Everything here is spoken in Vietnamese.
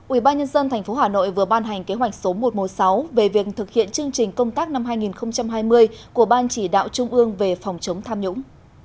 ubnd tp hà nội vừa ban hành kế hoạch số một trăm một mươi sáu về việc thực hiện chương trình công tác năm hai nghìn hai mươi của ban chỉ đạo trung ương về phòng chống tham nhũng